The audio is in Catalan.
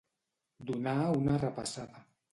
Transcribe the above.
Donar una repassada.